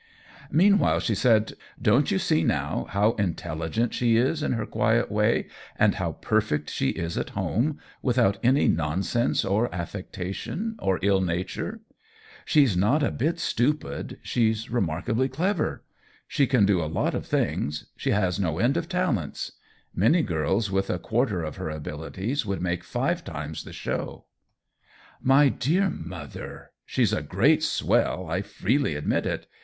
Meanwhile she said :" Don't you see, now, how intelligent she is, in her quiet way, and how perfect she is at home — without any nonsense or affectation or ill nature? She's not a bit stupid, she's remarkably 26 THE WHEEL OF TIME clever. She can do a lot of things ; she has no end of talents. Many girls with a quar ter of her abilities would make five times the show." " My dear mother, she's a great swell ; I freely admit it.